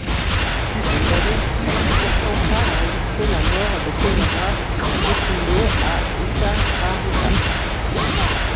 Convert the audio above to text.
Il ne réussit pourtant pas à éviter la mort de Pereira Coutinho à Itaparica.